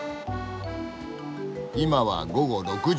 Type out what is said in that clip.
いまは午後６時。